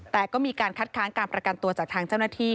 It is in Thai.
แต่ก็มีการคัดค้างการประกันตัวจากทางเจ้าหน้าที่